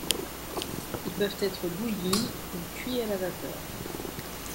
Ils peuvent être bouillis ou cuits à la vapeur.